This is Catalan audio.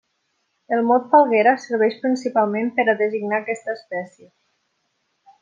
El mot falguera serveix principalment per a designar aquesta espècie.